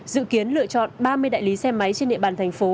dự kiến lựa chọn ba mươi đại lý xe máy trên địa bàn thành phố